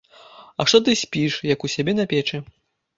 А што ты спіш, як у сябе на печы?